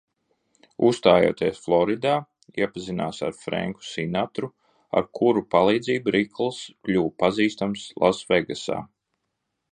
Uzstājoties Floridā, iepazinās ar Frenku Sinatru, ar kura palīdzību Riklss kļuva pazīstams Lasvegasā.